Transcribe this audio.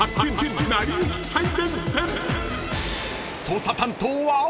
［捜査担当は？］